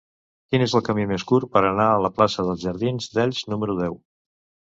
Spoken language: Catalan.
Quin és el camí més curt per anar a la plaça dels Jardins d'Elx número deu?